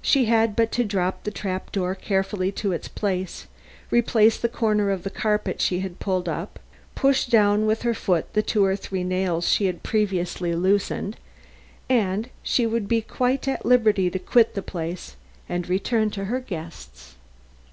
She had but to drop the trap door carefully to its place, replace the corner of the carpet she had pulled up, push down with her foot the two or three nails she had previously loosened, and she would be quite at liberty to quit the place and return to her guests.